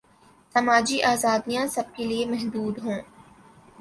سماجی آزادیاں سب کیلئے محدود ہوں۔